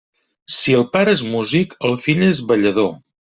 Si el pare és músic, el fill és ballador.